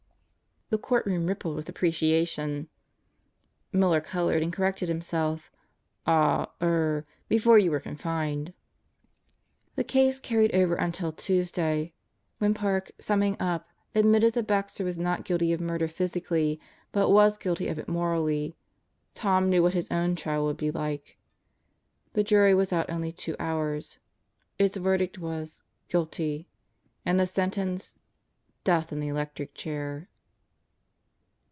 The courtroom rippled with appreciation. Miller colored and corrected himself: "Ah er before you were confined." The case carried over until Tuesday. When Park, summing up, admitted that Baxter was not guilty of murder physically, but was guilty of it morally, Tom knew what his own trial would be like. The jury was out only two hours. Its verdict was "guilty," and the sentence: "Death in the electric chair."